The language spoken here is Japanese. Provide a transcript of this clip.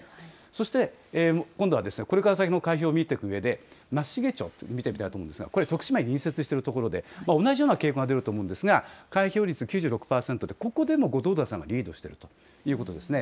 そして、今度はですね、これから先の開票を見ていくうえで、松茂町という所を見てみたいと思うんですが、これ、徳島に隣接している所で、同じような傾向が出ると思うんですが、開票率９６％で、ここでも後藤田さんがリードしているということですね。